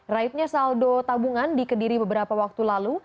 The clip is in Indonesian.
raifnya saldo tabungan dikediri beberapa waktu lalu